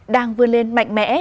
đang vươn lên mạnh mẽ